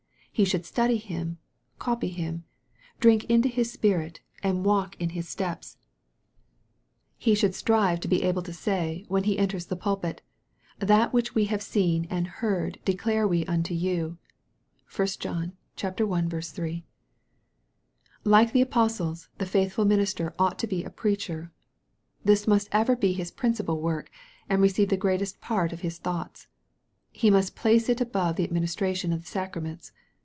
He should study Him, copy Him, drink into His Spirit, and walk in His steps. MARK, CHAP. ID. 51 He should strive to be able to say, when he enters the pulpit, " that which we have seen and heard declare we unto you." (1 John i. 3.) Like the apostles, the faithful minister ought to be a preacher. This must ever be his principal work, and receive the greatest part of his thoughts. He must place it above the administration of the sacraments.